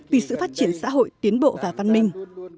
vì sự phát triển xã hội tiến bộ và văn minh